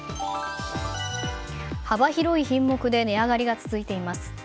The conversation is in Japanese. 幅広い品目で値上がりが続いています。